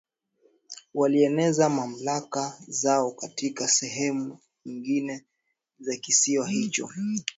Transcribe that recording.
walieneza mamlaka zao katika sehemu nyingine za kisiwa hicho